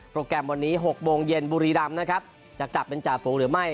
แกรมวันนี้๖โมงเย็นบุรีรำนะครับจะกลับเป็นจ่าฝูงหรือไม่